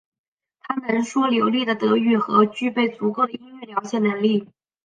他能说流利的德语和具备足够的英语了解能力。